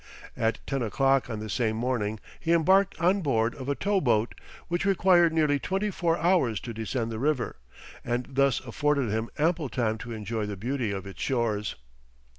At ten o'clock on the same morning he embarked on board of a tow boat, which required nearly twenty four hours to descend the river, and thus afforded him ample time to enjoy the beauty of its shores.